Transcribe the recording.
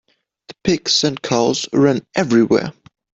The pigs and cows ran everywhere.